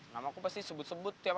nama aku pasti sebut sebut tiap kali